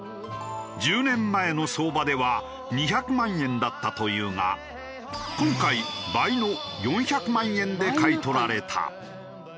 １０年前の相場では２００万円だったというが今回倍の４００万円で買い取られた。